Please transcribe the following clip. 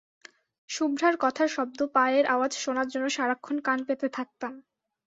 শুভ্রার কথার শব্দ, পায়ের আওয়াজ শোনার জন্য সারাক্ষণ কান পেতে থাকতাম।